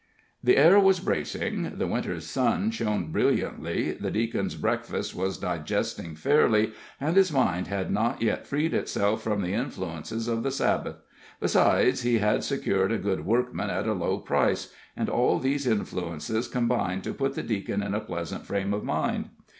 The air was bracing, the Winter sun shone brilliantly, the Deacon's breakfast was digesting fairly, and his mind had not yet freed itself from the influences of the Sabbath. Besides, he had secured a good workman at a low price, and all these influences combined to put the Deacon in a pleasant frame of mind.